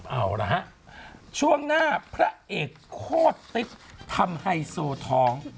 เอาล่ะฮะช่วงหน้าพระเอกโคตรติ๊บทำไฮโซท้อง